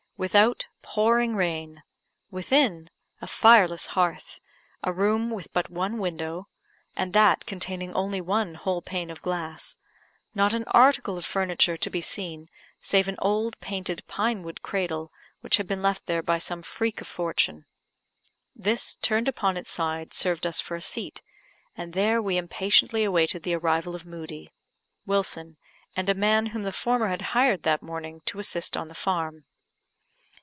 Without, pouring rain; within, a fireless hearth; a room with but one window, and that containing only one whole pane of glass; not an article of furniture to be seen, save an old painted pine wood cradle, which had been left there by some freak of fortune. This, turned upon its side, served us for a seat, and there we impatiently awaited the arrival of Moodie, Wilson, and a man whom the former had hired that morning to assist on the farm.